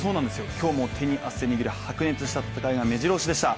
今日も手に汗握る白熱した戦いがめじろ押しでした。